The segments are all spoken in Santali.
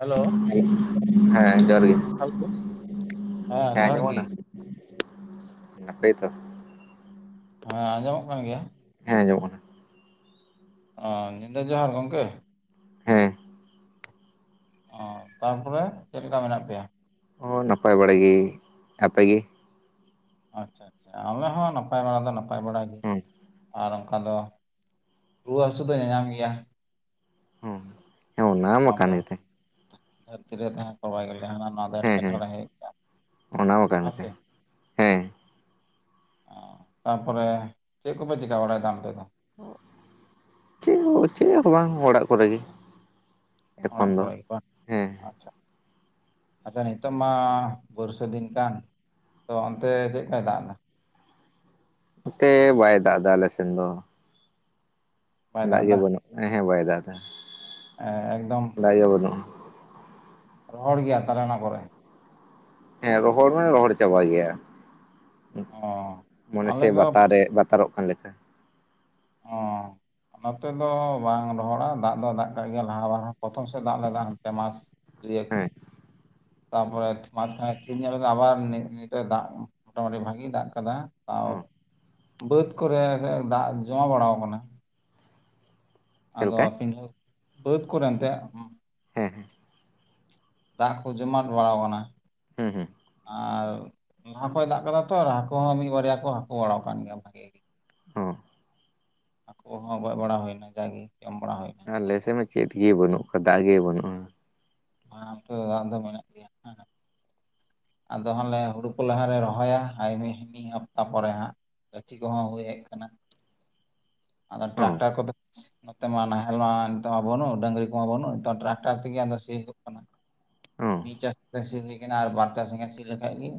ᱦᱮᱞᱳ ᱦᱮᱸ ᱡᱚᱦᱟᱨ ᱜᱮ, ᱦᱮᱞᱳ ᱦᱮᱸ ᱡᱚᱦᱟᱨ ᱟᱸᱡᱚᱢᱚᱜ ᱜᱮ ᱠᱟᱱᱟ? ᱱᱟᱯᱟᱹᱭ ᱛᱚ? ᱦᱮᱸ ᱟᱸᱡᱚᱢᱚᱜ ᱠᱟᱱ ᱜᱮᱭᱟ? ᱦᱮᱸ ᱟᱸᱚᱢᱚᱜ ᱠᱟᱱᱟ। ᱚ, ᱧᱤᱫᱟᱹ ᱡᱚᱦᱟᱨ ᱜᱚᱢᱠᱮ। ᱦᱮᱸ। ᱚ, ᱛᱟᱨᱯᱚᱨᱮ ᱪᱮᱫ ᱞᱮᱠᱟ ᱢᱮᱱᱟᱜ ᱯᱮᱭᱟ? ᱚ ᱱᱟᱯᱟᱭ ᱵᱟᱲᱟ ᱜᱮ। ᱟᱯᱮᱜᱮ? ᱟᱪᱪᱷᱟ ᱟᱪᱪᱷᱟ᱾ ᱟᱞᱮ ᱦᱚᱸ ᱱᱟᱯᱟᱭ ᱵᱟᱲᱟ ᱫᱚ ᱱᱟᱯᱟᱭ ᱵᱟᱲᱟ ᱜᱮ। ᱦᱮᱸ ᱟᱨ ᱚᱱᱠᱟ ᱫᱚ ᱼᱼ ᱨᱩᱣᱟᱹ ᱦᱟᱹᱥᱩ ᱫᱚ ᱧᱟᱧᱟᱢ ᱜᱮᱭᱟ। ᱚ ᱦᱮᱸ ᱚᱱᱟᱢᱟ ᱚᱱᱟ ᱫᱚ ᱠᱟᱱ ᱜᱮ ᱛᱮ। ᱫᱷᱟᱹᱨᱛᱤ ᱨᱮ ᱛᱟᱦᱮᱸ ᱠᱚᱟᱭ ᱜᱮ ᱡᱟᱦᱟᱸᱱᱚᱣᱟ ᱼᱼ ᱦᱮᱸ ᱦᱮᱸ, ᱚᱱᱟ ᱦᱚᱸ ᱠᱟᱱ ᱜᱮ ᱛᱮ ᱢᱟᱥᱮ ᱦᱮᱸ। ᱚ, ᱛᱟᱨᱯᱚᱨᱮ ᱪᱮᱫ ᱠᱚᱯᱮ ᱪᱤᱠᱟᱹ ᱵᱟᱲᱟᱭᱮᱫᱟ ᱚᱱᱛᱮ ᱫᱚ? ᱚ, ᱪᱮᱫ ᱦᱚᱸ ᱪᱮᱫ ᱦᱚᱸ ᱵᱟᱝᱟ ᱚᱲᱟᱜ ᱠᱚᱨᱮ ᱜᱮ। ᱮᱠᱷᱚᱱ ᱚᱲᱟᱜ ᱫᱚ ᱠᱚᱨᱮ ᱜᱮ ᱵᱟᱝ? ᱦᱮᱸ ᱟᱪᱪᱷᱟ। ᱟᱪᱪᱷᱟ ᱱᱤᱛᱚᱜ ᱢᱟ ᱵᱚᱨᱥᱟᱹ ᱫᱤᱱ ᱠᱟᱱ। ᱛᱚ ᱚᱱᱛᱮ ᱪᱮᱫᱠᱟᱭ ᱫᱟᱜ ᱮᱫᱟ? ᱱᱚᱛᱮ ᱵᱟᱭ ᱫᱟᱜ ᱮᱫᱟ ᱟᱞ ᱥᱮᱱ ᱫᱚ। ᱫᱟᱜ ᱜᱮ ᱵᱟᱹᱱᱩᱜ ᱱᱟ ᱦᱮᱸ ᱵᱟᱭ ᱫᱟᱜ ᱮᱫᱟ। ᱮᱸ ᱮᱠᱫᱚᱢ। ᱫᱟᱜ ᱜᱮ ᱰᱟᱱᱩᱜᱼᱟ। ᱨᱚᱦᱚᱲ ᱜᱮᱭᱟ ᱛᱟᱞᱦᱮ ᱚᱱᱟ ᱠᱚᱨᱮ? ᱦᱮᱸ ᱨᱚᱦᱚᱲ ᱢᱟᱱᱮ ᱨᱚᱦᱚᱲ ᱪᱟᱵᱟ ᱜᱮᱭᱟ। ᱚ ᱢᱚᱱᱮ ᱟᱞᱮ ᱥᱮ ᱫᱚ ᱵᱟᱛᱟᱨᱮ, ᱵᱟᱛᱟᱨᱚᱜ ᱠᱟᱱ ᱞᱮᱠᱟ। ᱚ ᱱᱚᱛᱮ ᱫᱚ ᱵᱟᱝ ᱨᱚᱦᱚᱲᱟ, ᱫᱟᱜ ᱫᱚ ᱫᱟᱜ ᱠᱟᱜ ᱜᱮᱭᱟ ᱞᱟᱦᱟ ᱨᱮᱦᱚᱸ, ᱯᱨᱚᱛᱷᱚᱢ ᱥᱮᱫ ᱫᱟᱜ ᱞᱮᱫᱟ ᱚᱱᱛᱮ ᱢᱟ ᱨᱮᱭᱟᱜ, ᱦᱮᱸ ᱛᱟᱯᱚᱨᱮ ᱢᱟᱡᱷ ᱠᱷᱟᱱᱮ ᱛᱤᱨ ᱧᱚᱜ ᱞᱮᱱᱟ ᱟᱵᱟᱨ ᱱᱤ ᱱᱤᱛᱚᱜ ᱫᱟᱜ ᱢᱚᱴᱟᱢᱩᱴᱤ ᱵᱷᱟᱜᱤ ᱫᱟᱜ ᱟᱠᱟᱫᱟ। ᱟᱨ ᱦᱚᱸ ᱵᱟᱹᱫᱽ ᱠᱚᱨᱮ ᱫᱟᱜ ᱡᱚᱢᱟ ᱵᱟᱲᱟᱣ ᱠᱟᱱᱟ। ᱪᱮᱫ ᱟᱫᱚ ᱞᱮᱠᱟ ᱯᱤᱟᱹ ᱵᱟᱹᱫᱽ ᱠᱚᱨᱮ ᱮᱱᱛᱮᱫ? ᱦᱮᱸ ᱦᱮᱸ। ᱫᱟᱜ ᱠᱚ ᱡᱚᱢᱟ ᱵᱟᱲᱟᱣ ᱠᱟᱱᱟ? ᱦᱮᱸ ᱦᱮᱸ। ᱟᱨ ᱞᱟᱦᱟ ᱠᱷᱚᱡ ᱫᱟᱜ ᱠᱟᱫᱟ ᱛᱚ, ᱟᱨ ᱦᱟᱹᱠᱩ ᱦᱚᱸ ᱢᱤᱫ ᱵᱟᱨᱭᱟ ᱠᱚ ᱦᱟᱹᱠᱩ ᱵᱟᱲᱟᱣ ᱠᱟᱱ ᱜᱮᱭᱟ ᱵᱷᱟᱜᱤ ᱜᱮ। ᱦᱚᱸ᱾ ᱦᱟᱠᱩ ᱦᱚᱸ ᱜᱚᱡ ᱵᱟᱲᱟ ᱦᱩᱭᱱᱟ, ᱡᱟᱜᱮ ᱡᱚᱢ ᱵᱟᱲᱟ ᱦᱩᱭᱱᱟ। ᱟᱞᱮᱥᱮᱫ ᱢᱟ ᱪᱮᱫ ᱜᱮ ᱵᱟᱹᱱᱩᱜ ᱠᱟᱫᱟ। ᱫᱟᱜ ᱜᱮ ᱵᱟᱹᱱᱩᱜᱼᱟ। ᱚᱱᱛᱮ ᱫᱚ ᱫᱟᱜ ᱫᱚ ᱢᱮᱱᱟᱜ ᱜᱮᱭᱟ ᱦᱮᱸ। ᱟᱫᱚ ᱦᱟᱞᱮ ᱦᱩᱲᱩ ᱠᱚ ᱞᱟᱦᱟ ᱨᱮ ᱨᱚᱦᱚᱭᱟ, ᱦᱟᱯᱛᱟ ᱯᱚᱨᱮ ᱦᱟᱸᱜ। ᱜᱟᱹᱪᱷᱤ ᱠᱚᱦᱚᱸ ᱦᱩᱭ ᱦᱮᱡ ᱠᱟᱱᱟ। ᱟᱫᱚ ᱚ ᱴᱨᱟᱠᱴᱟᱨ ᱠᱚᱫᱚ ᱼᱼ ᱱᱚᱛᱮ ᱢᱟ ᱱᱟᱦᱮᱞ ᱢᱟ ᱱᱤᱛᱚᱜ ᱢᱟ ᱵᱟᱹᱱᱩᱜ ᱰᱟᱜᱝᱨᱤ ᱠᱚᱢᱟ ᱵᱟᱹᱱᱩᱜ ᱱᱤᱛᱚᱜ ᱴᱨᱟᱠᱴᱟᱨ ᱛᱮᱜᱮ ᱦᱟᱸᱜ ᱥᱤ ᱦᱩᱭᱩᱜ ᱠᱟᱱᱟ। ᱚ ᱢᱤᱫ ᱪᱟᱥ ᱥᱤ ᱦᱩᱭ ᱠᱟᱱᱟ, ᱟᱨ ᱵᱟᱨ ᱪᱟᱥ ᱜᱟᱱ ᱥᱤ ᱞᱮᱠᱷᱟᱡ ᱜᱮ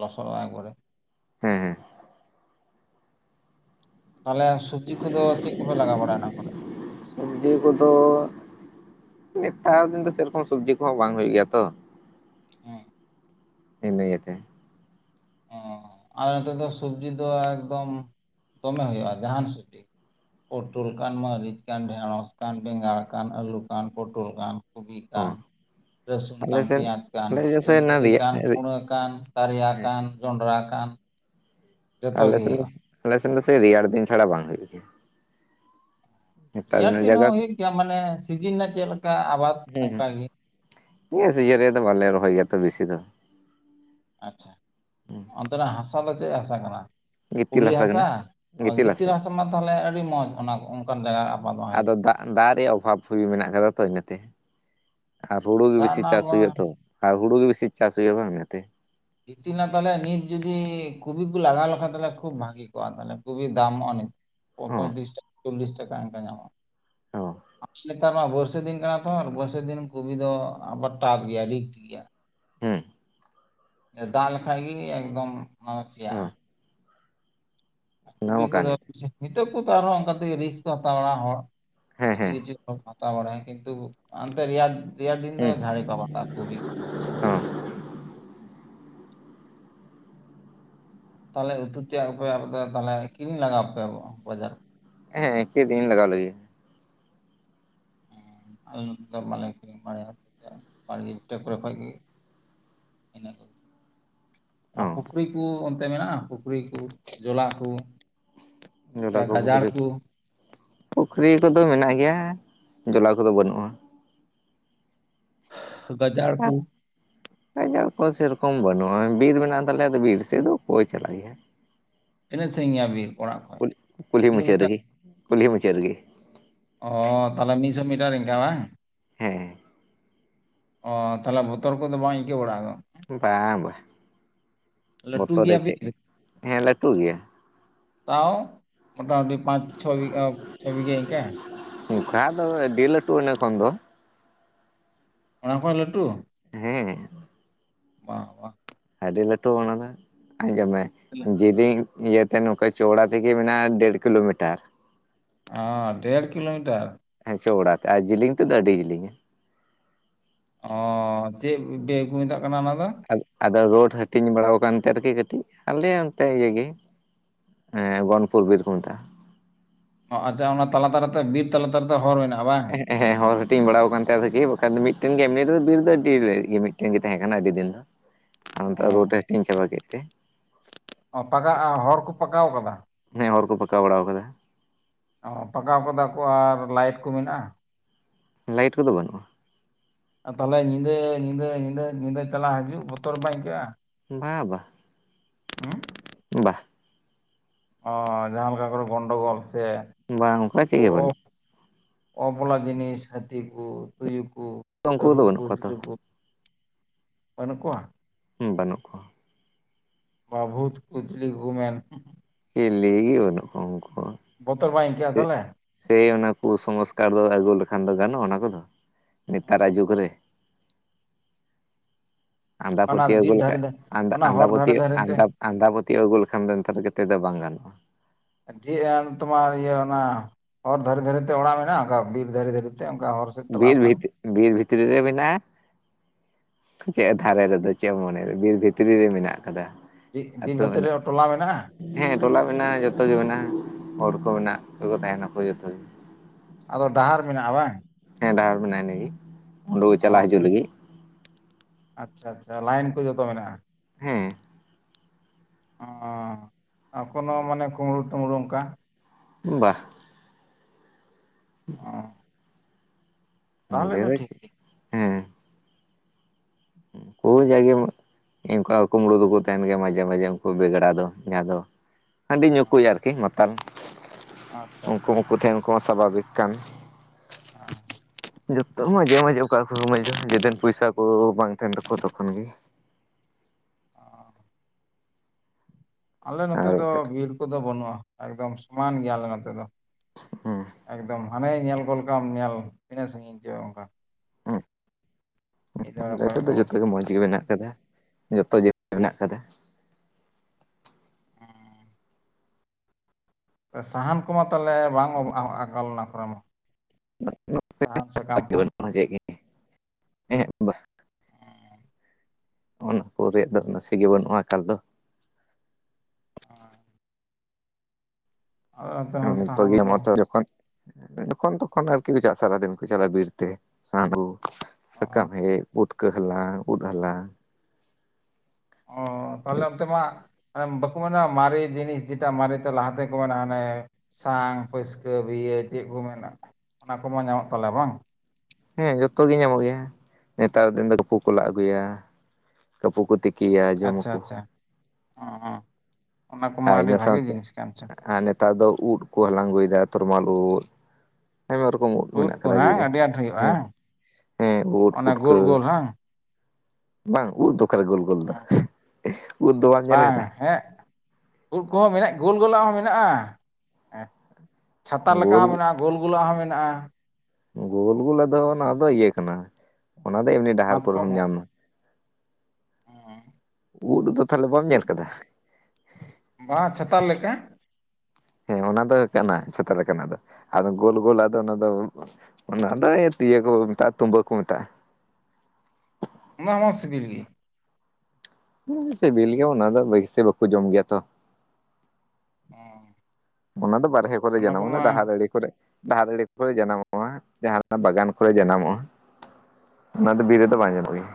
ᱞᱚᱥᱚᱫᱼᱟ ᱮᱠᱚᱨᱮ। ᱦᱮᱸ ᱾ ᱛᱟᱦᱚᱞᱮ ᱥᱚᱵᱽᱡᱤ ᱠᱚᱫᱚ ᱪᱮᱫ ᱠᱚᱯᱮ ᱞᱟᱜᱟᱣ ᱵᱟᱲᱟᱭᱟ ᱚᱱᱟ ᱠᱚᱨᱮ? ᱥᱚᱵᱽᱡᱤ ᱠᱚᱫᱚ ᱱᱮᱛᱟᱨ ᱫᱤᱱ ᱫᱚ ᱥᱮᱨᱚᱠᱚᱢ ᱥᱚᱵᱽᱡᱤ ᱠᱚᱦᱚᱸ ᱵᱟᱝ ᱦᱩᱭᱩᱜ ᱜᱮᱭᱟ ᱛᱚ᱾ ᱦᱮᱸ᱾ ᱤᱱᱟᱹ ᱜᱮᱛᱮ᱾ ᱚᱻ ᱟᱨ ᱱᱚᱛᱮ ᱫᱚ ᱥᱚᱵᱽᱡᱤ ᱫᱚ ᱮᱠᱫᱚᱢ ᱫᱚᱢᱮ ᱦᱩᱭᱩᱜ-ᱟ ᱡᱟᱦᱟᱱ ᱥᱚᱵᱽᱡᱤ ᱯᱚᱴᱚᱞ ᱠᱟᱱ, ᱢᱟᱹᱨᱤᱪ ᱠᱟᱱ, ᱰᱷᱮᱬᱚᱥ ᱠᱟᱱ, ᱵᱮᱸᱜᱟᱲ ᱠᱟᱱ, ᱟᱹᱞᱩ ᱠᱟᱱ, ᱯᱚᱴᱚᱞ ᱠᱟᱱ, ᱠᱚᱵᱤ ᱠᱟᱱ, ᱨᱟᱹᱥᱩᱱ ᱟᱞᱮ ᱠᱟᱱ, ᱥᱮᱱ ᱯᱮᱸᱭᱟᱡᱽ ᱠᱟᱱ, ᱟᱞᱮ ᱥᱮ ᱜᱟᱹᱫᱷᱟᱹᱨᱤ ᱨᱮᱭᱟᱜ ᱠᱟᱱ, ᱠᱩᱬᱟᱹ ᱠᱟᱱ ᱠᱟᱨᱭᱟ ᱦᱮᱸ ᱠᱟᱱ, ᱡᱚᱸᱰᱨᱟ ᱠᱟᱱ ᱡᱚᱛᱚ ᱟᱞᱮ ᱜᱮ ᱥᱮᱱ ᱫᱚ, ᱦᱩᱭᱩᱜᱼᱟ ᱟᱞᱮ ᱥᱮᱱ ᱫᱚ ᱥᱮ ᱨᱮᱭᱟᱲ ᱫᱤᱱ ᱪᱷᱟᱲᱟ ᱵᱟᱝ ᱦᱩᱭᱩᱜ ᱜᱮᱭᱟ᱾ ᱱᱮᱛᱟᱨ ᱨᱮᱭᱟᱲ ᱫᱤᱱᱟᱜ ᱫᱤᱱ ᱡᱟᱭᱜᱟ ᱦᱚᱸ ᱠᱚ ᱦᱩᱭᱩᱜ ᱜᱮᱭᱟ ᱢᱟᱱᱮ ᱥᱤᱡᱤᱱ ᱨᱮᱱᱟᱜ ᱪᱮᱫ ᱞᱮᱠᱟ ᱟᱵᱟᱫ ᱚᱝᱠᱟ ᱜᱮ᱾ ᱵᱟᱥ ᱤᱭᱟᱹ ᱨᱮᱫᱚ ᱵᱟᱞᱮ ᱨᱚᱦᱚᱭ ᱜᱮᱭᱟ ᱛᱚ ᱵᱤᱥᱤ ᱫᱚ᱾ ᱟᱪᱪᱷᱟ ᱚᱱᱛᱮᱱᱟᱜ ᱦᱟᱥᱟ ᱫᱚ ᱪᱮᱫ ᱦᱟᱥᱟ ᱠᱟᱱᱟ? ᱜᱤᱛᱤᱞ ᱯᱩᱞᱤ ᱠᱟᱱᱟ ᱦᱟᱥᱟ, ᱜᱤᱛᱤᱞ ᱦᱟᱥᱟ ᱢᱟ ᱛᱟᱞᱦᱮ ᱟᱹᱰᱤ ᱢᱚᱡᱽ ᱚᱱᱟ ᱚᱝᱠᱟᱱ ᱡᱟᱭᱜᱟ ᱟᱵᱟᱫ ᱵᱟᱝ ᱦᱩᱭᱩᱜ᱾ ᱟᱫᱚ ᱫᱟᱜ ᱫᱟᱜ ᱨᱮᱭᱟᱜ ᱚᱵᱷᱟᱵ ᱦᱩᱭ ᱢᱮᱱᱟᱜ ᱠᱟᱫᱟ ᱛᱚ ᱤᱱᱟᱹ ᱛᱮ, ᱟᱨ ᱦᱩᱲᱩ ᱜᱮ ᱫᱟᱜ ᱵᱤᱥᱤ ᱨᱮᱱᱟᱜ ᱪᱟᱥ ᱵᱟᱝ ᱦᱩᱭᱩᱜ-ᱟ ᱛᱚ᱾ ᱟᱨ ᱦᱩᱲᱩ ᱜᱮ ᱵᱤᱥᱤ ᱪᱟᱥ ᱦᱩᱭᱩᱜ-ᱟ ᱤᱱᱟᱹᱛᱮ᱾ ᱜᱤᱛᱤᱞ ᱨᱮᱱᱟ ᱛᱟᱦᱞᱮ ᱱᱤᱛ ᱡᱩᱫᱤ ᱠᱚᱵᱤ ᱠᱚ ᱞᱟᱜᱟᱣ ᱞᱮᱠᱷᱟᱡ ᱛᱟᱦᱞᱮ ᱠᱷᱩᱵ ᱵᱷᱟᱜᱤ ᱴᱷᱤᱠᱚᱜ-ᱟ ᱛᱟᱦᱞᱮ᱾ ᱠᱷᱩᱵᱤ ᱫᱟᱢᱚᱜ-ᱟ ᱱᱤᱛ ᱚ ᱯᱚᱸᱭᱛᱨᱤᱥ ᱴᱟᱠᱟ, ᱪᱚᱞᱞᱤᱥ ᱴᱟᱠᱟ ᱚᱱᱠᱟ ᱧᱟᱢᱚᱜ-ᱟ᱾ ᱚ ᱟᱨ ᱱᱮᱛᱟᱨ ᱢᱟ ᱵᱚᱨᱥᱟ ᱫᱤᱱ ᱠᱟᱱᱟ᱾ ᱚᱨ ᱵᱚᱨᱥᱟ ᱫᱤᱱ ᱠᱚᱵᱤ ᱫᱚ ᱟᱵᱟᱨ ᱴᱟᱯ ᱜᱮᱭᱟ, ᱨᱤᱠᱥ ᱜᱮᱭᱟ᱾ ᱦᱩᱸ᱾ ᱫᱟᱜ ᱞᱮᱠᱷᱟᱡ ᱜᱮ ᱮᱠᱫᱚᱢ ᱚᱱᱟ ᱫᱚ ᱚ ᱥᱮᱭᱟᱜ-ᱟ᱾ ᱚᱱᱟ ᱠᱚᱯᱤ ᱢᱟ ᱠᱟᱱ ᱠᱚᱫᱚ, ᱜᱮ ᱱᱤᱛᱳᱜ ᱠᱚ ᱛᱚ ᱟᱨᱦᱚᱸ ᱚᱱᱠᱟ ᱛᱮᱜᱮ ᱨᱤᱠᱥ ᱠᱚ ᱦᱟᱛᱟᱣ ᱵᱟᱲᱟ ᱦᱚᱲ ᱦᱮᱸ ᱠᱤᱪᱷᱩ ᱦᱮᱸ ᱠᱤᱪᱷᱩ ᱦᱟᱛᱟ ᱵᱟᱲᱟᱭᱟ᱾ ᱠᱤᱱᱛᱩ ᱚᱱᱛᱮ ᱨᱮᱭᱟᱲ ᱨᱮᱭᱟᱲ ᱫᱤᱱ ᱫᱚ ᱦᱩᱸ ᱡᱷᱟᱲᱮ ᱠᱚ ᱟᱵᱟᱫᱟ ᱠᱩᱵᱤ᱾ ᱦᱚᱸ ᱛᱟᱦᱞᱮ ᱩᱛᱩ ᱛᱮᱭᱟᱜ ᱠᱚ ᱟᱯᱮ ᱫᱚ ᱛᱟᱦᱞᱮ ᱠᱤᱨᱤᱧ ᱞᱟᱜᱟᱣ ᱯᱮᱭᱟ ᱟᱵᱚ ᱵᱟᱡᱟᱨ? ᱦᱮᱸ ᱠᱤᱨᱤᱧ ᱞᱟᱜᱟᱣ ᱞᱮᱜᱮᱭᱟ᱾ ᱟᱞᱮ ᱱᱚᱛᱮ ᱫᱚ ᱵᱟᱞᱮ ᱠᱤᱨᱤᱧ ᱵᱟᱲᱟᱭᱟ, ᱵᱟᱲᱜᱮ ᱵᱷᱤᱴᱟᱹ ᱠᱚᱨᱮ ᱠᱷᱚᱡ ᱜᱮ ᱤᱱᱟᱹ ᱠᱚᱜᱮ᱾ ᱚ ᱟᱨ ᱯᱩᱠᱷᱨᱤ ᱠᱩ ᱚᱱᱛᱮ ᱢᱮᱱᱟᱜ-ᱟ? ᱯᱩᱠᱷᱨᱤ ᱠᱩ ᱡᱚᱞᱟ ᱠᱚ? ᱥᱮ ᱡᱚᱞᱟ ᱠᱚ ᱜᱟᱡᱟᱲ ᱯᱩᱠᱷᱨᱤ, ᱯᱩᱠᱷᱨᱤ ᱠᱚᱫᱚ ᱢᱮᱱᱟᱜ ᱜᱮᱭᱟ, ᱡᱚᱞᱟ ᱠᱚᱫᱚ ᱵᱟᱹᱱᱩᱜ-ᱟ᱾ ᱵᱟᱡᱟᱨ ᱟᱨ ᱠᱩ? ᱜᱟᱡᱟᱲ ᱠᱚᱦᱚᱸ ᱥᱮᱨᱚᱠᱚᱢ ᱵᱟᱹᱱᱩᱜ-ᱟ, ᱵᱤᱨ ᱢᱮᱱᱟᱜ ᱛᱟᱞᱮᱭᱟ, ᱟᱫᱚ ᱵᱤᱨ ᱥᱮᱫ ᱫᱚ ᱚᱠᱚᱭ ᱪᱟᱞᱟᱜ ᱜᱮᱭᱟ᱾ ᱛᱤᱱᱟᱹᱜ ᱥᱟᱹᱱᱟᱹᱧᱟ ᱵᱤᱨ? ᱚᱲᱟᱜ ᱠᱩ, ᱠᱷᱚᱡ? ᱠᱩᱞᱦᱤ ᱢᱩᱪᱟᱹᱫ ᱠᱤᱞᱳᱢᱤᱴᱟᱨ ᱨᱮᱜᱮ, ᱠᱩᱞᱦᱤ ᱢᱩᱪᱟᱹᱫ ᱨᱮᱜᱮ᱾ ᱚᱻ ᱛᱟᱞᱦᱮ ᱢᱤᱫ ᱥᱚ ᱢᱤᱴᱟᱨ ᱤᱸᱝᱠᱟ ᱵᱟᱝ? ᱦᱮᱸ᱾ ᱚᱻ ᱛᱟᱦᱞᱮ ᱵᱚᱛᱚᱨ ᱠᱚᱫᱚ ᱵᱟᱝ ᱟᱹᱭᱠᱟᱹᱣ ᱵᱟᱲᱟᱜ-ᱟ ᱟᱫᱚ? ᱵᱟ ᱵᱟ, ᱞᱟᱹᱴᱩ ᱵᱚᱛᱚᱨ ᱜᱮᱭᱟ ᱨᱮᱭᱟᱜ ᱵᱤᱨ ᱪᱮᱫ? ᱦᱮᱸ ᱞᱟᱹᱴᱩ ᱜᱮᱭᱟ᱾ ᱛᱟᱣ ᱢᱚᱴᱟᱢᱩᱴᱤ ᱯᱟᱸᱪ ᱪᱷᱚ ᱵᱤᱜ ᱪᱷᱚ ᱵᱤᱜᱷᱟᱹ ᱤᱝᱠᱟ? ᱚᱱᱠᱟ ᱫᱚ, ᱟᱹᱰᱤ ᱞᱟᱹᱴᱩ ᱤᱱᱟᱹ ᱠᱷᱚᱱ ᱫᱚ᱾ ᱚᱱᱟ ᱠᱷᱚᱡ ᱞᱟᱹᱴᱩ? ᱦᱮᱸ᱾ ᱵᱟ ᱵᱟ᱾ ᱟᱹᱰᱤ ᱞᱟᱹᱴᱩᱣᱟ ᱚᱱᱟ ᱫᱚ᱾ ᱟᱸᱡᱚᱢ ᱢᱮ ᱡᱤᱞᱤᱧ ᱤᱭᱟᱹᱛᱮ ᱱᱚᱝᱠᱟ ᱪᱚᱣᱲᱟ ᱛᱮᱜᱮ ᱢᱮᱱᱟᱜ-ᱟ ᱰᱮᱹᱲ ᱠᱤᱞᱳᱢᱤᱴᱟᱨ᱾ ᱚᱻ ᱰᱮᱹᱲ ᱠᱤᱞᱳᱢᱤᱴᱟᱨ? ᱦᱮᱸ ᱪᱚᱣᱲᱟ ᱛᱮ ᱟᱨ ᱡᱮᱞᱮᱧ ᱛᱮᱫᱚ ᱟᱹᱰᱤ ᱡᱮᱞᱤᱧᱟ ᱾ ᱚᱻ ᱪᱮᱫ ᱵᱮ ᱠᱚ ᱢᱮᱛᱟᱜ ᱠᱟᱱᱟ ᱚᱱᱟ ᱫᱚ? ᱟᱫᱚ ᱨᱳᱰ ᱦᱟᱹᱴᱤᱧ ᱵᱟᱲᱟ ᱟᱠᱟᱱᱛᱮ ᱟᱨᱠᱤ ᱠᱟᱹᱴᱤᱡ, ᱟᱞᱮ ᱚᱱᱛᱮ ᱤᱭᱟᱹ ᱜᱮ ᱦᱮ ᱜᱚᱱᱯᱩᱨ ᱵᱤᱨ ᱠᱚ ᱢᱮᱛᱟᱜ ᱟ᱾ ᱚ ᱟᱪᱪᱷᱟ ᱚᱱᱟ ᱛᱟᱞᱟ ᱛᱟᱞᱟ ᱛᱮ ᱵᱤᱨ ᱛᱟᱞᱟ ᱛᱟᱞᱟ ᱛᱮ ᱦᱚᱲ ᱢᱮᱱᱟᱜ-ᱟ ᱵᱟᱝ? ᱦᱮᱸ ᱦᱚᱲ ᱦᱟᱹᱴᱤᱧ ᱵᱟᱲᱟᱣ ᱠᱟᱱ ᱛᱮ ᱵᱟᱠᱷᱟᱡ ᱢᱤᱫᱴᱤᱱ ᱜᱮ ᱮᱢᱱᱤ ᱛᱮ ᱵᱤᱨ ᱫᱚ ᱟᱹᱰᱤ ᱜᱮ ᱢᱤᱫᱴᱮᱱ ᱜᱮ ᱛᱟᱦᱮᱸ ᱠᱟᱱᱟ ᱟᱹᱰᱤ ᱫᱤᱱ ᱫᱚᱼᱼ ᱨᱳᱰ ᱚ ᱦᱟᱹᱴᱤᱧ ᱪᱟᱵᱟ ᱠᱮᱫ ᱛᱮᱼᱼ ᱚᱯᱟᱠᱟᱜ ᱟ ᱦᱚᱲ ᱠᱚ ᱯᱟᱠᱟᱣ ᱟᱠᱟᱫᱟ᱾ ᱱᱮ ᱦᱚᱲ ᱠᱚ ᱯᱟᱠᱟᱣ ᱵᱟᱲᱟᱣ ᱟᱠᱟᱫᱟ᱾ ᱚ ᱯᱟᱠᱟᱣ ᱟᱠᱟᱫᱟ ᱠᱩ ᱟᱨ ᱞᱟᱭᱤᱴ ᱠᱚ ᱢᱮᱱᱟᱜᱼᱟ? ᱞᱟᱭᱤᱴ ᱠᱚᱫᱚ ᱵᱟᱹᱱᱩᱜᱼᱟ᱾ ᱛᱟᱦᱚᱞᱮ ᱧᱤᱫᱟᱹ ᱧᱤᱫᱟᱹ ᱧᱤᱫᱟᱹ ᱧᱤᱫᱟᱹ ᱪᱟᱞᱟᱜ ᱦᱤᱡᱩᱜ ᱵᱚᱛᱚᱨ ᱵᱟᱝ ᱟᱹᱭᱠᱟᱹᱜᱼᱟ? ᱵᱟ ᱵᱟ ᱵᱟᱼᱼ ᱚ ᱡᱟᱦᱟᱸ ᱞᱮᱠᱟ ᱠᱚᱨᱮ ᱜᱚᱱᱰᱚᱜᱳᱞ ᱥᱮ ᱵᱟᱝ ᱚᱱᱠᱟ ᱪᱮᱫ ᱱᱩᱠᱩ ᱜᱮ ᱚᱼᱼ ᱵᱟᱹᱱᱩᱜ ᱚᱵᱚᱞᱟ ᱡᱤᱱᱤᱥ ᱦᱟᱹᱛᱤ ᱠᱩ ᱛᱩ. ᱭᱩ ᱠᱩᱼᱼ ᱛᱚ ᱩᱱᱠᱩ ᱠᱚᱫᱚ ᱵᱟᱹᱱᱩᱜ ᱠᱚᱣᱟ ᱛᱚ᱾ ᱵᱟᱹᱱᱩᱜ ᱠᱚᱣᱟ? ᱦᱩᱸ ᱵᱟᱹᱱᱩᱜ ᱠᱚᱣᱟ᱾ ᱵᱟ ᱵᱷᱩᱛ ᱠᱩ ᱪᱤᱞᱤ ᱠᱩ ᱢᱮᱱᱼᱼ ᱪᱤᱞᱤ ᱜᱤ ᱵᱟᱹᱱᱩᱜ ᱠᱚᱣᱟ ᱩᱱᱠᱩ ᱦᱚᱸᱼᱼ ᱵᱚᱛᱚᱨ ᱵᱟᱝ ᱟ. ᱭᱠᱟ. ᱭ ᱚᱜ ᱛᱟᱦᱚᱞᱮᱼᱼ ᱥᱮ ᱚᱱᱟ ᱠᱚ ᱥᱚᱝᱚᱥᱠᱟᱨ ᱫᱚ ᱟᱹᱜᱩ ᱞᱮᱠᱷᱟᱱ ᱫᱚ ᱜᱟᱱᱚᱜᱼᱟ ᱚᱱᱟ ᱠᱚᱫᱚ ᱱᱮᱛᱟᱨ ᱟᱜ ᱡᱩᱠ ᱨᱮ᱾ ᱟᱫᱷᱟ ᱚᱱᱟ ᱯᱟᱹᱛᱤᱭᱟᱣ ᱟᱜᱩ ᱵᱤᱨ ᱞᱮᱠᱷᱟ. ᱫᱷᱟᱨᱮ ᱡᱽ ᱫᱷᱟᱨᱮ ᱟᱫᱷᱟ ᱚᱱᱟ ᱟᱫᱷᱟ ᱦᱚᱨ ᱫᱷᱟᱨᱮ ᱯᱟᱹᱛᱤᱭᱟᱣ ᱫᱷᱟᱨᱮ ᱛᱮ ᱟᱫᱷᱟ ᱯᱟᱹᱛᱤᱭᱟᱣᱼᱼ ᱟᱸᱫᱷᱟ ᱯᱟᱹᱛᱤᱭᱟᱣ ᱞᱮᱠᱷᱟᱱ ᱱᱮᱛᱟᱨ ᱠᱮᱛᱮ ᱫᱚ ᱵᱟᱝ ᱜᱟᱱᱚᱜᱼᱟ᱾ ᱡᱮᱫ ᱮᱱ ᱛᱳᱢᱟᱨ ᱤᱭᱟᱹ ᱚᱱᱟ ᱦᱚᱨ ᱫᱷᱟᱨᱮ ᱫᱷᱟᱨᱮ ᱛᱮ ᱚᱲᱟᱜ ᱢᱮᱱᱟᱜᱼᱟ ᱚᱱᱠᱟ ᱵᱤᱨ ᱫᱷᱟᱨᱮ ᱫᱷᱟᱨᱮ ᱛᱮ ᱚᱱᱠᱟ ᱦᱚᱨᱼᱼ ᱵᱤᱨ ᱵᱷᱤᱛᱨᱤ ᱵᱤᱨ ᱵᱷᱤᱛᱨᱤ ᱨᱮ ᱢᱮᱱᱟᱜᱼᱟ᱾ ᱪᱮᱫ ᱫᱷᱟᱨᱮ ᱨᱮᱫᱚ ᱪᱮᱫ ᱮᱢ ᱢᱚᱱᱮᱭ ᱫᱟᱜ ᱵᱤᱨ ᱵᱷᱤᱛᱨᱤ ᱨᱮ ᱢᱮᱱᱟᱜ ᱟᱠᱟᱫᱟ᱾ ᱵᱤᱨ ᱟᱹᱛᱩ ᱵᱷᱛᱨᱤ ᱢᱮᱱᱟᱜᱼᱟ ᱨᱮᱦᱚ ᱴᱚᱞᱟ ᱢᱮᱱᱟᱜᱼᱟ᱾ ᱦᱮᱸ ᱴᱚᱞᱟ ᱢᱮᱱᱟᱜᱼᱟ ᱡᱚᱛᱚ ᱜᱮ ᱢᱮᱱᱟᱜᱼᱟ ᱦᱚᱲ ᱠᱚ ᱢᱮᱱᱟᱜ-ᱟ ᱛᱚ ᱛᱟᱦᱮᱱᱟᱠᱚ ᱡᱚᱛᱚ ᱜᱮ᱾ ᱟᱫᱚ ᱰᱟᱦᱟᱨ ᱢᱮᱱᱟᱜᱼᱟ ᱵᱟᱝ? ᱦᱮᱸᱰᱟᱦᱟᱨ ᱢᱮᱱᱟᱜ ᱟ ᱤᱱᱟ ᱜᱤ᱾ ᱚ ᱟᱪᱪᱷᱟ ᱟᱪᱪᱷᱟ ᱞᱟᱭᱤᱱ ᱠᱚ ᱡᱚᱛᱚ ᱢᱮᱱᱟᱜᱼᱟ? ᱦᱮᱸ᱾ ᱚ ᱠᱳᱱᱳ ᱢᱟᱱᱮ ᱠᱩᱸᱢᱲᱩ ᱴᱩᱢᱲᱩ ᱚᱱᱠᱟᱼᱼ ᱵᱟᱦᱸᱼᱼ ᱚ [inaudible] ᱛᱟᱦᱚᱞᱮ ᱧᱤᱫᱳ ᱫᱚ ᱴᱷᱤᱠ ᱪᱮᱫ ᱜᱮᱭᱟ ᱦᱮ᱾ ᱠᱩ ᱟᱪᱪᱷᱟ ᱡᱟᱭᱜᱮᱢᱼᱼ ᱩᱠᱟ ᱠᱩᱢᱲᱩ ᱫᱚᱠᱚ ᱛᱟᱦᱮᱱ ᱜᱮᱭᱟ ᱢᱟᱡᱷᱮ ᱢᱟᱡᱷᱮ ᱩᱱᱠᱩ ᱵᱮᱜᱽᱲᱟ ᱫᱚ ᱡᱟᱦᱟᱸ ᱫᱚ ᱦᱟᱺᱰᱤ ᱧᱩᱠᱩᱡᱽ ᱟᱨᱠᱤᱼᱼ ᱟᱪᱪᱷᱟ ᱩᱱᱠᱩ ᱩᱱᱠᱩ ᱛᱮ ᱩᱱᱠᱩ ᱦᱚ ᱥᱟᱵᱷᱟᱵᱤᱠ ᱠᱟᱱᱼᱼ ᱦᱮᱸ᱾ ᱡᱚᱛᱚ ᱢᱟᱡᱷᱮ ᱢᱟᱡᱷᱮ ᱚᱠᱟ ᱠᱚ ᱥᱩᱢᱳᱡ ᱡᱮᱫᱤᱱ ᱯᱚᱭᱥᱟ ᱠᱩ ᱵᱟᱝ ᱛᱟᱦᱮᱱ ᱛᱟᱠᱚᱣᱟ ᱛᱚᱠᱷᱚᱱ ᱜᱤᱼᱼ ᱚᱹᱼᱼ ᱟᱞᱮ ᱱᱚᱛᱮ ᱟᱨ ᱫᱚ ᱵᱟᱠᱷᱟᱡ ᱵᱤᱨ ᱠᱚᱫᱚ ᱵᱟᱹᱱᱩᱜᱼᱟ ᱮᱠᱫᱚᱢ ᱥᱚᱢᱟᱱ ᱜᱮᱭᱟ ᱞᱮ ᱱᱚᱛᱮ ᱫᱚᱼᱼ ᱦᱮᱸ᱾ ᱮᱠᱫᱚᱢ ᱦᱟᱱᱮ ᱧᱮᱞ ᱜᱚᱞ ᱠᱟᱢ ᱧᱮᱞ ᱛᱤᱱᱟᱹᱜ ᱥᱟᱺᱜᱤᱧ ᱪᱚ ᱚᱱᱠᱟ ᱦᱩᱸ, ᱢᱤᱫ ᱫᱷᱟᱣᱮ ᱟᱞᱮ ᱠᱚᱭᱚᱜ ᱥᱮᱫ ᱫᱚ ᱜᱚᱫ ᱡᱚᱛᱚ ᱠᱟᱢ ᱜᱮ ᱢᱚᱡᱽ ᱜᱮ ᱢᱮᱱᱟᱜ ᱛᱟᱞᱮᱭᱟ, ᱡᱚᱛᱚ ᱡᱟᱹᱛ ᱢᱮᱱᱟᱜ ᱠᱟᱫᱟ᱾ ᱟ ᱥᱟᱦᱟᱱ ᱠᱚᱢᱟ ᱛᱟᱦᱚᱞᱮ ᱵᱟᱝ ᱚᱵ ᱟᱜᱟᱞ ᱚᱱᱟ ᱠᱚᱨᱮ ᱢᱟ? ᱥᱟᱦᱟᱱ ᱥᱟᱠᱟᱢ ᱠᱚ ᱢᱚᱡᱮᱜ ᱜᱤ, ᱮᱸ ᱦᱮᱸᱜ ᱵᱟ ᱚᱱᱟᱜ ᱠᱚ ᱨᱮᱭᱟᱜ ᱫᱚ ᱱᱟᱥᱤ ᱜᱤ ᱵᱟᱹᱱᱩᱜᱼᱟ ᱟᱠᱟᱞ ᱫᱚ᱾ ᱟᱞᱮ ᱱᱚᱛᱮ ᱟᱨ ᱦᱚᱸ ᱱᱤᱛᱚᱜ ᱥᱟᱦᱟᱱ ᱜᱤ ᱫᱚ ᱟᱢᱟᱛᱚ ᱡᱚᱠᱷᱚᱱ ᱡᱚᱠᱷᱚᱱ ᱛᱚᱠᱷᱚᱱ ᱟᱨᱠᱤ ᱠᱩ ᱪᱟ ᱥᱟᱨᱟᱫᱤᱱ ᱠᱚ ᱪᱟᱞᱟᱜᱼᱟ ᱵᱤᱨᱛᱮ ᱥᱟᱦᱟᱱ ᱟᱹᱜᱩ᱾ ᱥᱟᱠᱟᱢ ᱦᱮᱸᱡ ᱯᱩᱴᱠᱟᱹ ᱦᱟᱞᱟᱝ ᱩᱫ ᱦᱟᱞᱟᱝ᱾ ᱚ ᱛᱟᱦᱚᱞᱮ ᱚᱱᱛᱮ ᱢᱟ ᱚᱱᱮ ᱵᱟᱹᱠᱩ ᱢᱮᱱᱟ ᱢᱟᱨᱮ ᱡᱤᱱᱤᱥ ᱡᱮᱴᱟ ᱢᱟᱨᱤ ᱛᱮ ᱞᱟᱦᱟᱛᱮ ᱠᱚ ᱢᱮᱱᱟ ᱦᱟᱱᱮ ᱥᱟᱝ, ᱯᱟᱹᱥᱠᱟᱹ, ᱵᱤᱭᱟᱹ ᱪᱮᱫ ᱠᱚ ᱢᱮᱱᱟᱜ ᱚᱱᱟ ᱠᱚᱢᱟ ᱧᱟᱢᱚᱜ ᱛᱟᱞᱮ ᱵᱟᱝ? ᱦᱮᱸ ᱡᱚᱛᱚ ᱜᱮ ᱧᱟᱢᱚᱜ ᱜᱮᱭᱟ ᱱᱮᱛᱟᱨ ᱫᱤᱱ ᱫᱚ ᱠᱟᱹᱯᱩ ᱠᱚ ᱞᱟᱜ ᱟᱹᱜᱩᱭᱟ᱾ ᱠᱟᱹᱯᱩ ᱠᱚ ᱛᱤᱠᱤᱭᱟ ᱡᱚᱢ ᱟᱹᱠᱩ᱾ ᱚᱸᱜ, ᱚᱱᱟ ᱠᱚᱢᱟ ᱟᱨ ᱟᱹᱰᱤ ᱤᱱᱟᱹ ᱵᱷᱟᱜᱤ ᱥᱟᱶᱛᱮ ᱡᱤᱱᱤᱥ ᱠᱟᱱ ᱪᱚ᱾ ᱟᱨ ᱱᱮᱛᱟᱨ ᱫᱚ ᱩᱫ ᱠᱚ ᱦᱟᱞᱟᱝ ᱟᱹᱜᱩᱭᱫᱟ ᱛᱚᱨᱢᱟᱞ ᱩᱫ᱾ ᱟᱭᱢᱟ ᱨᱚᱠᱚᱢ ᱩᱫ ᱢᱮᱱᱟᱜ ᱠᱚ ᱠᱟᱫᱟ ᱵᱤᱨ ᱦᱟᱝ ᱨᱮ ᱟᱹᱰᱤ ᱟᱸᱴ ᱦᱩᱭᱩᱜᱼᱟ ᱦᱮᱸ ᱦᱟᱝ ᱦᱮᱸ ᱩᱫ ᱚᱱᱟ ᱯᱩᱴᱠᱟᱹ ᱜᱳᱞ ᱜᱳᱞ ᱦᱟᱝ ᱵᱟᱝ ᱩᱫ ᱫᱚ ᱚᱠᱟᱨᱮ ᱜᱳᱞ ᱜᱳᱞ ᱫᱚ᱾ ᱩᱫ ᱫᱚ ᱵᱟᱢ ᱧᱮᱞ ᱵᱟᱝ ᱟᱠᱟᱫᱟ ᱦᱮᱸᱜ, ᱩᱫ ᱠᱚᱦᱚᱸ ᱢᱮᱱᱟᱜ ᱜᱳᱞ ᱜᱳᱞᱟᱜ ᱦᱚᱸ ᱢᱮᱱᱟᱜᱼᱟ ᱦᱮᱸ᱾ ᱪᱷᱟᱛᱟ ᱞᱮᱠᱟ ᱦᱚ ᱜᱳᱞ ᱢᱮᱱᱟᱜᱼᱟ ᱜᱳᱞ ᱜᱳᱞᱟᱜ ᱦᱚ ᱢᱮᱱᱟᱜᱼᱟ᱾ ᱜᱳᱞ ᱜᱳᱞᱟ ᱫᱚ ᱚᱱᱟ ᱫᱚ ᱤᱭᱟᱹ ᱠᱟᱱᱟ ᱚᱱᱟ ᱫᱚ ᱮᱢᱱᱤ ᱰᱟᱦᱟᱨ ᱠᱚᱨᱮ ᱢᱟᱛᱠᱚᱢ ᱦᱚᱢ ᱧᱟᱢᱟ᱾ ᱩᱫ ᱫᱚ ᱛᱟᱦᱚᱞᱮ ᱵᱟᱢ ᱩᱫ ᱧᱮᱞ ᱠᱟᱫᱟ? ᱵᱟᱝ ᱪᱷᱟᱛᱟ ᱞᱮᱠᱟ ᱦᱮ ᱚᱱᱟ ᱫᱚ ᱠᱟᱱᱟ ᱪᱷᱟᱛᱟ ᱞᱮᱠᱟᱱᱟᱜ ᱫᱚ ᱟᱫᱚ ᱜᱳᱞ ᱜᱳᱞᱟᱜ ᱫᱚ ᱚᱱᱟ ᱫᱚ ᱚᱱᱟ ᱫᱚ ᱦᱮᱸᱭ ᱛᱤᱭᱟᱹ ᱠᱚ ᱢᱮᱛᱟᱜᱼᱟ ᱛᱩᱢᱵᱟᱹ ᱠᱚ ᱢᱮᱛᱟᱜᱼᱟ᱾ ᱚᱱᱟᱢᱟ ᱥᱤᱵᱤᱞ ᱜᱤ᱾ ᱦᱩᱸ ᱥᱤᱵᱤᱞ ᱜᱤᱭᱟ ᱚᱱᱟ ᱫᱚ ᱵᱟᱹᱭᱥᱤ ᱵᱟᱹᱠᱩ ᱡᱚᱢ ᱜᱮᱭᱟ ᱛᱚ᱾ ᱩᱸ ᱚᱱᱟ ᱫᱚ ᱵᱟᱨᱦᱮ ᱠᱚᱨᱮ ᱡᱟᱱᱟᱢᱚᱜ ᱚᱱᱟ ᱰᱟᱦᱟᱨ ᱟᱹᱨᱤ ᱠᱚᱨᱮ᱾ ᱰᱟᱦᱟᱨ ᱟᱹᱨᱤ ᱠᱚᱨᱮ ᱡᱟᱱᱟᱢᱚᱜᱼᱟ ᱡᱟᱦᱟᱱᱟᱜ ᱵᱟᱜᱟᱱ ᱠᱚᱨᱮ ᱡᱟᱱᱟᱢᱚᱜᱼᱟ᱾ ᱚᱱᱟ ᱫᱚ ᱵᱤᱨ ᱨᱮᱫᱚ ᱵᱟᱝ ᱧᱟᱱᱚᱜ ᱜᱮᱭᱟ,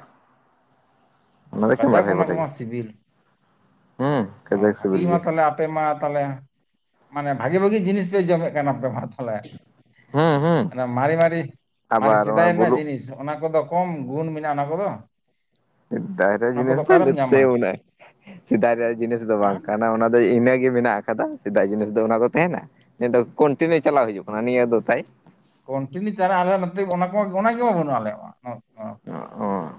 ᱚᱱᱟ ᱫᱚ ᱮᱠᱮᱱ ᱠᱟᱡᱟᱠ ᱵᱟᱨᱦᱮ ᱚᱱᱟ ᱠᱚᱨᱮ ᱠᱚᱢᱟ ᱜᱮ᱾ ᱦᱩᱸ ᱚ ᱠᱟᱡᱟᱠ ᱥᱤᱵᱤᱞ ᱵᱷᱟᱜᱤ ᱢᱟ ᱜᱮᱭᱟ ᱛᱟᱦᱚᱞᱮ ᱟᱯᱮ ᱢᱟ ᱛᱟᱦᱚᱞᱮ ᱢᱟᱱᱮ ᱵᱷᱟᱜᱤ ᱵᱷᱟᱜᱤ ᱡᱤᱱᱤᱥ ᱯᱮ ᱡᱚᱢᱮᱫ ᱠᱟᱱ ᱟᱯᱮ ᱢᱟ ᱛᱚ᱾ ᱛᱷᱟᱞᱮ, ᱦᱩᱸ ᱦᱩᱸ ᱚᱱᱟ ᱢᱟᱨᱮ ᱢᱟᱨᱮ ᱢᱟᱨᱮ ᱟᱵᱟᱨ ᱥᱮᱫᱟᱭ ᱱᱚᱜᱼᱚᱭ ᱨᱮᱱᱟᱜ ᱵᱩᱞᱩᱜ ᱡᱤᱱᱤᱥ ᱚᱱᱟ ᱠᱚᱫᱚ ᱠᱚᱢ ᱜᱩᱱ ᱢᱮᱱᱟᱜᱼᱟ ᱚᱱᱟ ᱠᱚᱫᱚ ᱥᱤᱫᱫᱟᱭ ᱨᱮᱭᱟᱜ ᱚᱱᱟ ᱡᱤᱱᱤᱥ ᱠᱚᱫᱚ ᱫᱚ ᱚᱠᱟᱨᱮᱢ ᱱᱤᱛ ᱧᱟᱢᱟ ᱥᱮᱭ ᱢᱮᱱᱟᱜᱼᱟ ᱥᱮᱫᱟᱭ ᱨᱮᱭᱟᱜ ᱡᱤᱱᱤᱥ ᱥᱤ ᱫᱚ ᱵᱟᱝ ᱦᱮᱸ ᱠᱟᱱᱟ ᱚᱱᱟ ᱫᱚ ᱤᱱᱟᱹᱜᱮ ᱢᱮᱱᱟᱜ ᱟᱠᱟᱫᱟ ᱥᱮᱫᱟᱭ ᱡᱤᱱᱤᱥ ᱫᱚ ᱚᱱᱟ ᱠᱚ ᱛᱮᱦᱮᱸᱱᱟ? ᱱᱤᱭᱟᱹ ᱫᱚ ᱠᱚᱱᱴᱤᱱᱤᱭᱩ ᱪᱟᱞᱟᱣ ᱦᱤᱡᱩᱜ ᱠᱟᱱᱟ ᱱᱤᱭᱟᱹ ᱫᱚ ᱛᱟᱭ ᱠᱚᱱᱴᱤᱱᱤᱭᱩ ᱪᱟᱞᱟᱜ ᱟᱞᱮ ᱱᱚᱛᱮ ᱚᱱᱟ ᱠᱚᱢᱟ ᱚᱱᱟ ᱜᱮᱢᱟ ᱵᱟᱹᱱᱩᱜ ᱟᱞᱮᱭᱟᱜ ᱢᱟ, ᱱᱚ ᱚ ᱚᱸ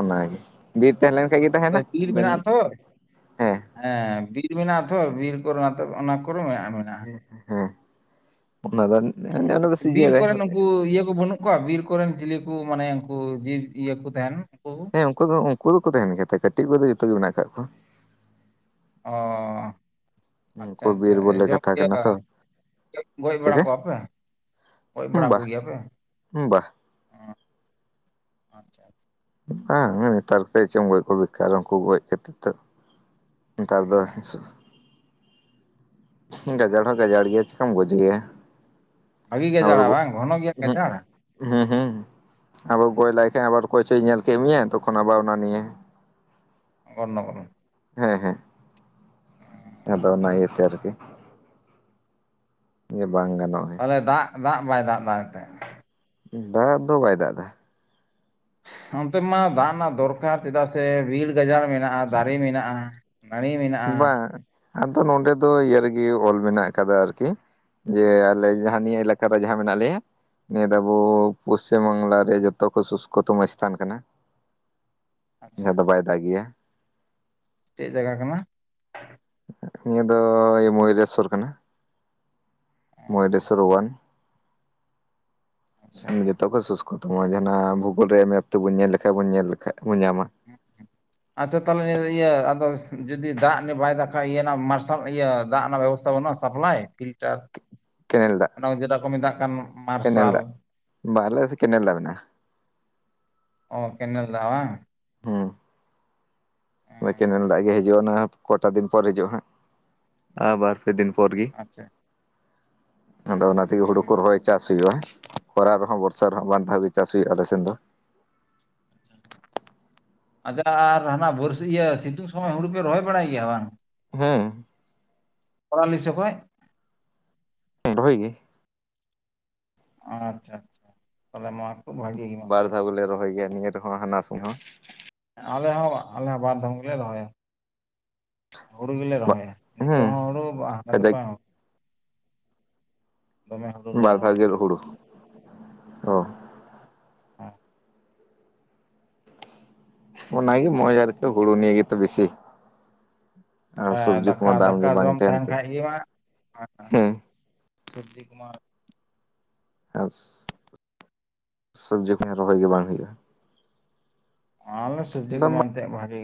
ᱚᱱᱟᱜᱮ ᱵᱤᱨ ᱛᱮᱦᱮᱞᱮᱱ ᱠᱷᱟᱡ ᱜᱮ ᱛᱮᱦᱮᱸᱱᱟ ᱵᱤᱨ ᱵᱮᱱ ᱢᱮᱱᱟᱜᱼᱟ ᱛᱚ ᱦᱮᱸ ᱵᱤᱨ ᱢᱮᱱᱟᱜᱼᱟ ᱛᱷᱚᱨ ᱵᱤᱨ ᱠᱚᱨ ᱚᱱᱟ ᱛᱚᱨ ᱚᱱᱟ ᱠᱚᱨᱮ ᱢᱮᱱᱟᱜᱼᱟ ᱢᱮᱱᱟᱜᱼᱟ᱾ ᱦᱮᱸ, ᱚᱱᱟ ᱵᱮᱱ ᱚᱸ ᱟᱪᱪᱷᱟ, ᱵᱤᱨ ᱠᱚᱨᱮ ᱱᱩᱠᱩ ᱤᱭᱟᱹ ᱠᱚ ᱵᱟᱹᱱᱩᱜ ᱠᱚᱣᱟ ᱵᱤᱨ ᱠᱚᱨᱮᱱ ᱪᱤᱞᱤ ᱠᱩ ᱢᱟᱱᱮ ᱩᱱᱠᱩ ᱡᱤᱵᱽ ᱤᱭᱟᱹ ᱠᱩ ᱛᱟᱦᱮᱸᱱ ᱩᱱᱠᱩ᱾ ᱦᱮᱸ ᱩᱱᱠᱩ ᱫᱚ ᱩᱱᱠᱩ ᱫᱚᱠᱚ ᱛᱟᱦᱮᱸᱱ ᱜᱮᱭᱟᱛᱚ ᱠᱟᱹᱴᱤᱡ ᱠᱚᱡᱫᱚ ᱡᱚᱛᱚ ᱜᱮ ᱢᱮᱱᱟᱜ ᱟᱠᱟᱫ ᱠᱚᱣᱟ᱾ ᱚ ᱟᱪᱪᱷᱟ ᱩᱱᱠᱩ ᱟᱪᱪᱷᱟ ᱵᱤᱨ ᱵᱚᱞᱮ ᱡᱚᱢ ᱠᱟᱛᱷᱟ ᱠᱟᱱᱟ ᱛᱚ ᱜᱚᱡ ᱵᱟᱲᱟ ᱪᱤᱠᱟᱹ ᱠᱚᱣᱟ ᱯᱮ? ᱜᱚᱪ ᱵᱟᱲᱟ ᱵᱟ ᱠᱚᱜᱮ ᱭᱟᱯᱮ ᱵᱟ ᱟᱪᱪᱷᱟ᱾ ᱵᱟᱝ ᱱᱮᱛᱟᱨ ᱛᱮ ᱪᱚᱢ ᱜᱚᱪ ᱠᱚ ᱵᱮᱠᱟᱨ ᱩᱱᱠᱩ ᱜᱚᱪ ᱠᱟᱛᱮᱫ ᱫᱚ᱾ ᱱᱮᱛᱟᱨ ᱫᱚᱼᱼ ᱦᱮᱸ ᱜᱟᱡᱟᱲ ᱦᱚ ᱜᱟᱡᱟᱲ ᱜᱮᱭᱟ ᱪᱤᱠᱟᱢ ᱜᱚᱡᱮᱭᱟᱼᱼ ᱵᱷᱟᱹᱜᱤ ᱜᱟᱡᱟᱲᱟ ᱵᱟᱝ ᱜᱷᱚᱱ ᱜᱮᱭᱟ ᱜᱟᱡᱟᱲᱼᱼ ᱦᱩ ᱦᱩ᱾ ᱟᱵᱟᱨ ᱜᱚᱡ ᱞᱮᱭ ᱠᱷᱟᱱ ᱟᱵᱟᱨ ᱚᱠᱚᱭᱪᱚᱭ ᱧᱮᱞ ᱠᱮᱫ ᱢᱮᱭᱟ ᱛᱚᱠᱷᱚᱱ ᱟᱵᱟᱨ ᱚᱱᱟ ᱱᱤᱭᱮᱼᱼ [inaudible] ᱦᱮ ᱦᱮ᱾ ᱟᱫᱚ ᱱᱟᱭᱤᱴ ᱟᱨᱠᱤ ᱵᱟᱝ ᱜᱟᱱᱚᱜᱼᱟ᱾ ᱟᱞᱮ ᱫᱟᱜ ᱫᱟᱜ ᱵᱟᱭ ᱫᱟᱜ ᱮᱫᱟ ᱱᱚᱛᱮᱼᱼ ᱫᱟᱜ ᱫᱚ ᱵᱟᱭ ᱫᱟᱜ ᱮᱫᱟ᱾ ᱚᱱᱛᱮ ᱢᱟ ᱫᱟᱜ ᱨᱮᱱᱟᱜ ᱫᱚᱨᱠᱟᱨ ᱪᱮᱫᱟᱜ ᱥᱮ ᱵᱤᱨ ᱜᱟᱡᱟᱲ ᱢᱮᱱᱟᱜᱼᱟ ᱫᱟᱨᱮ ᱢᱮᱱᱟᱜᱼᱟ᱾ ᱱᱟᱹᱲᱤ ᱢᱮᱱᱟᱜᱼᱟ ᱵᱟᱝ ᱟᱫᱚ ᱱᱚᱰᱮ ᱫᱚ ᱤᱭᱟᱹ ᱨᱮᱜᱮ ᱚᱞ ᱢᱮᱱᱟᱜ ᱟᱠᱟᱫᱟ ᱟᱨᱠᱤᱼᱼ ᱡᱮ ᱟᱞᱮ ᱡᱟᱦᱟᱸ ᱱᱤᱭᱟᱹ ᱮᱞᱟᱠᱮ ᱡᱟᱦᱟᱸ ᱢᱮᱱᱟᱜ ᱞᱮᱭᱟᱼᱼ ᱱᱤᱭᱟᱹ ᱫᱚ ᱟᱵᱚ ᱯᱚᱥᱪᱤᱢ ᱵᱟᱝᱞᱟ ᱨᱮ ᱡᱚᱛᱚ ᱠᱷᱚ ᱥᱩᱥᱠᱚᱛᱚᱢ ᱮᱥᱛᱷᱟᱱ ᱠᱟᱱᱟ᱾ [inaudible] ᱫᱚ ᱵᱟᱭ ᱜᱮᱭᱟ᱾ ᱪᱮᱫ ᱡᱟᱭᱜᱟ ᱠᱟᱱᱟ? ᱱᱤᱭᱟᱹ ᱫᱚ ᱢᱚᱭᱨᱮᱥᱚᱨ ᱠᱟᱱᱟ᱾ ᱢᱚᱭᱩᱨᱮᱥᱥᱚᱨ ᱳᱭᱟᱱ ᱟᱪᱪᱷᱟ ᱟᱪᱪᱷᱟ ᱡᱚᱛᱚ ᱠᱷᱚᱭ ᱥᱩᱥᱠᱚᱼᱼ ᱛᱳ ᱡᱟᱦᱟᱱᱟᱜ ᱵᱷᱩᱜᱳᱞ ᱨᱮ ᱢᱮᱯ ᱛᱮᱵᱚᱱ ᱧᱮᱞ ᱞᱮᱠᱷᱟᱱᱡ ᱵᱚᱱ ᱧᱮᱞ ᱞᱮᱠᱷᱟᱱᱡ ᱵᱚᱱ ᱧᱟᱢᱟᱼᱼ ᱦᱮᱸ ᱦᱮᱸ᱾ ᱟᱪᱪᱷᱟ ᱛᱟᱦᱚᱞᱮ ᱱᱤᱭᱟᱹ ᱟᱫᱚ ᱡᱩᱫᱤ ᱫᱟᱜ ᱱᱟᱜ ᱵᱟᱭ ᱫᱟᱠᱷᱟᱭ ᱤᱭᱟᱹ ᱢᱟᱨᱥᱟᱞ ᱤᱭᱟᱹ ᱫᱟᱜ ᱨᱮᱱᱟᱜ ᱵᱮᱵᱚᱥᱛᱷᱟᱼᱼ ᱛᱚ ᱚᱱᱟ ᱥᱟᱯᱞᱟᱭ ᱯᱷᱤᱞᱴᱟᱨᱼᱼ ᱠᱮᱱᱮᱞ ᱫᱟᱜ ᱠᱮᱱᱮᱞ ᱢᱟᱨᱥᱟᱞ ᱫᱟᱜ ᱵᱟᱨᱦᱮ ᱨᱮ ᱠᱮᱱᱮᱞ ᱫᱟᱜ ᱢᱮᱱᱟᱜ-ᱟ᱾ ᱚ ᱠᱮᱱᱮᱞ ᱫᱟᱜ ᱵᱟᱝ? ᱦᱩᱸ᱾ ᱦᱳᱭ ᱠᱮᱱᱮᱞ ᱫᱟᱜ ᱜᱮ ᱦᱤᱡᱩᱜᱼᱟ ᱚᱱᱟ ᱠᱚᱴᱟ ᱫᱤᱱ ᱯᱚᱨ ᱦᱤᱡᱩᱜ ᱦᱟᱸᱜ ᱟᱵᱟᱨᱼᱼ ᱯᱮ ᱫᱤᱱ ᱯᱚᱨ ᱜᱤ᱾ ᱟᱪᱪᱷᱟ ᱟᱫᱚ ᱚᱱᱟ ᱛᱮᱜᱮ ᱦᱩᱲᱩ ᱠᱚ ᱨᱚᱦᱚᱭ ᱪᱟᱥ ᱦᱩᱭᱩᱜᱼᱟ ᱠᱷᱚᱨᱟ ᱨᱮᱦᱚᱸ ᱵᱚᱨᱥᱟᱼᱼ ᱥᱟᱞᱨᱮᱱᱟᱜ ᱵᱟᱨ ᱫᱷᱟᱣ ᱜᱮ ᱪᱟᱥ ᱦᱩᱭᱩᱜᱼᱟ ᱟᱞᱮᱥᱮᱱ ᱫᱚᱼᱼ ᱟᱪᱪᱷᱟ ᱟᱨ ᱦᱟᱱᱟ ᱵᱚᱨᱥᱟ ᱤᱭᱟᱹ ᱥᱤᱛᱩᱝ ᱥᱚᱢᱚᱭ ᱦᱩᱲᱩᱯᱮ ᱨᱚᱦᱚᱭ ᱵᱟᱲᱟᱭ ᱜᱮᱭᱟ ᱵᱟᱝ? ᱦᱮᱸᱼᱼ ᱯᱚᱲᱟ ᱞᱤ ᱥᱮ ᱚᱠᱚᱭ? ᱦᱮᱸ ᱨᱚᱦᱚᱭ ᱜᱮ᱾ ᱟᱪᱪᱷᱟ ᱟᱪᱪᱷᱟ ᱛᱟᱵᱮ ᱱᱚᱣᱟᱼᱼ ᱚᱵᱷᱟᱜᱤ ᱜᱮ᱾ ᱢᱟ ᱵᱟᱨ ᱫᱷᱟᱣ ᱛᱟᱦᱚᱞᱮ ᱵᱚᱞᱮ ᱨᱚᱦᱚᱭ ᱜᱮᱭᱟ ᱱᱤᱭᱟᱹ ᱨᱮᱦᱚᱸ ᱦᱟᱱᱟ ᱥᱮᱫ ᱦᱚᱸᱼᱼ ᱟᱞᱮ ᱦᱚᱸ ᱟᱞᱮ ᱦᱚᱸ ᱵᱟᱨᱫᱚᱢ ᱜᱮᱞᱮ ᱨᱚᱦᱚᱭᱟ ᱦᱩᱲᱩ ᱜᱮᱞᱮ ᱨᱚᱦᱚᱭᱟ᱾ ᱱᱤᱛᱚᱜ ᱦᱮᱸ ᱦᱚᱸ ᱦᱩᱲᱩ ᱟᱨ ᱠᱟᱡᱟᱠ ᱡᱚᱠᱷᱚᱡ ᱦᱚᱼᱼ ᱫᱚᱢᱮ ᱦᱩᱲᱩ ᱞᱮ ᱵᱟᱨ ᱫᱷᱟᱣ ᱨᱚᱦᱚᱭᱟ ᱜᱮ ᱦᱩᱲᱩ ᱚᱼᱼ ᱦᱮᱸ᱾ ᱚᱱᱟᱜᱮ ᱳᱭ ᱟᱨᱠᱤ ᱦᱩᱲᱩ ᱱᱤᱭᱮ ᱜᱮᱛᱚ ᱵᱮᱥᱤᱼᱼ ᱦᱮᱸ ᱫᱟᱠᱟ ᱫᱟᱢ ᱫᱟᱠᱟ ᱜᱮ ᱵᱟᱝ ᱡᱚᱢ ᱛᱟᱦᱮᱱ ᱛᱮ ᱠᱷᱟᱡ ᱦᱩᱭᱩᱜ-ᱟ, ᱟᱨ ᱦᱮᱸ ᱥᱚᱵᱡᱤ ᱠᱚᱢᱟ ᱟᱥᱻ [inaudible] ᱥᱚᱵᱡᱤ ᱠᱚᱦᱚᱸ ᱨᱚᱦᱚᱭ ᱜᱮ ᱵᱟᱝ ᱦᱩᱭᱩᱜ-ᱟ᱾ ᱟᱻᱞ, ᱥᱚᱵᱡᱤ ᱫᱟᱢ ᱠᱚᱢᱟ ᱮᱱᱛᱮᱜ ᱵᱷᱟᱜᱮ᱾